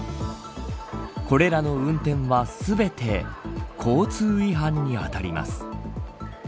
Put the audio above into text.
これらの運転は全て交通違反に当たります。